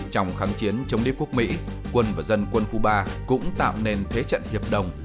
trong kháng chiến chống đế quốc mỹ quân và dân quân khu ba cũng tạo nên thế trận hiệp đồng